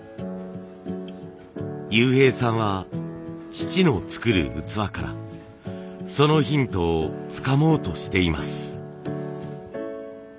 悠平さんは父の作る器からそのヒントをつかもうとしています。